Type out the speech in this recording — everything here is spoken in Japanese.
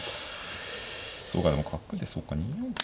そうかでも角でそうか２四桂。